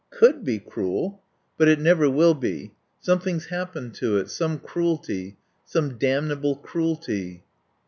"Could be cruel. But it never will be. Something's happened to it. Some cruelty. Some damnable cruelty."